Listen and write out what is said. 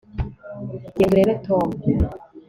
genda urebe tom